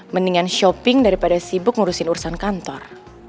mendingan shopping daripada sibuk ngurusin urusan kantor